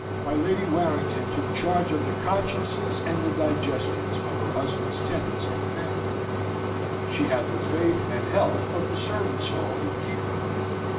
My Lady Warrington took charge of the consciences and the digestions of her husband's tenants and family. She had the faith and health of the servants' hall in keeping.